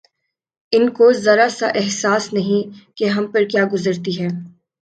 ان کو ذرا سا احساس نہیں کہ ہم پر کیا گزرتی ہے